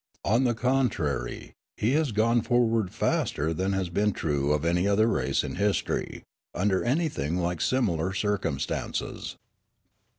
On the contrary, he has gone forward faster than has been true of any other race in history, under anything like similar circumstances.